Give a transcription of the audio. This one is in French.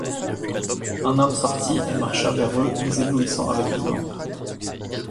Un homme sortit et marcha vers eux les éblouissant avec une lampe.